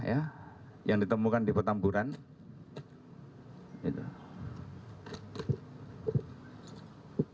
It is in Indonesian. mereka sudah mengujakan warna pem familia ligir